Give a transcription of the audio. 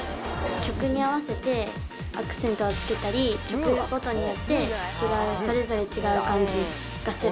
曲に合わせてアクセントをつけたり、曲ごとによってそれぞれ違う感じがする。